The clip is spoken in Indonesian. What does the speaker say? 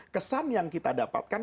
kesan yang kita dapatkan